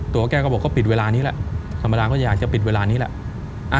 ตัวแกก็บอกก็ปิดเวลานี้แหละธรรมดาก็อยากจะปิดเวลานี้แหละ